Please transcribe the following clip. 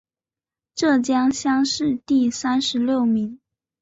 浙江乡试第三十六名。